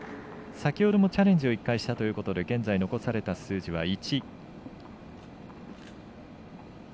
先ほどもチャレンジを１回したということで現在、残された数字は１。